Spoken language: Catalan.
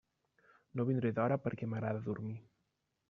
No vindré d'hora perquè m'agrada dormir.